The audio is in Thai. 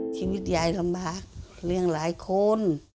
ชีวิตยายลำบากเลี้ยงหลายคน